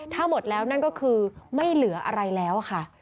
ถ้าหมดแล้วนั่นก็คือไม่เหลืออะไรแล้วค่ะ